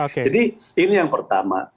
jadi ini yang pertama